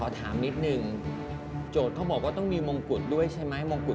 มันเป็นโพสต์ที่เชยที่สุด